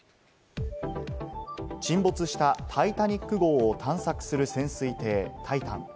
沈没したタイタニック号を探索する潜水艇タイタン。